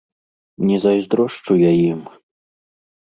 Не зайздрошчу я ім!